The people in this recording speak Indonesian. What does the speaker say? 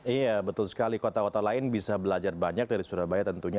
iya betul sekali kota kota lain bisa belajar banyak dari surabaya tentunya